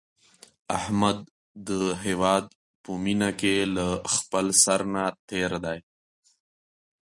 احمد د هیواد په مینه کې له خپل سر نه تېر دی.